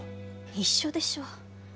一緒でしょ。